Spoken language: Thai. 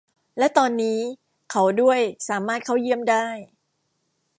และตอนนี้เขาด้วยสามารถเข้าเยี่ยมได้